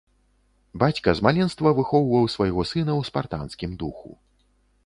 Бацька з маленства выхоўваў свайго сына ў спартанскім духу.